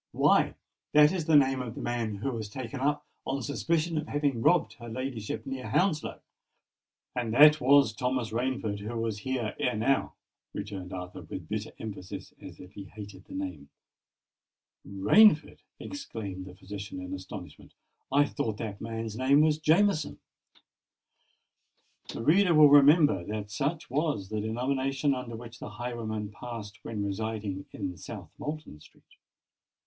"Why, that is the name of the man who was taken up on suspicion of having robbed her ladyship near Hounslow!" "And that was Thomas Rainford who was here ere now!" returned Arthur, with bitter emphasis, as if he hated the name. "Rainford!" repeated the physician, in astonishment. "I thought that man's name was Jameson?" The reader will remember that such was the denomination under which the highwayman passed when residing in South Moulton Street.